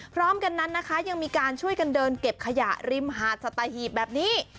พร้อมกันนั้นนะคะยังมีการช่วยกันเดินเก็บขยะริมหาดสัตหีบแบบนี้